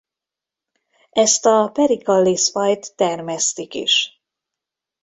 Ezt a Pericallis-fajt termesztik is.